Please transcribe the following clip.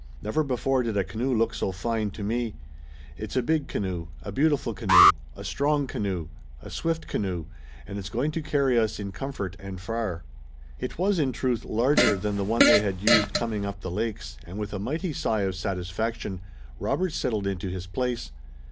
Never before did a canoe look so fine to me. It's a big canoe, a beautiful canoe, a strong canoe, a swift canoe, and it's going to carry us in comfort and far." It was, in truth, larger than the one they had used coming up the lakes, and, with a mighty sigh of satisfaction, Robert settled into his place.